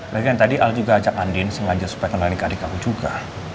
lagi yang tadi al juga ajak andin sengaja supaya kenalin ke adik aku juga